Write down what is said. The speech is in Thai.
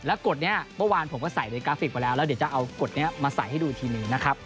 กฎนี้เมื่อวานผมก็ใส่ในกราฟิกมาแล้วแล้วเดี๋ยวจะเอากฎนี้มาใส่ให้ดูอีกทีหนึ่งนะครับ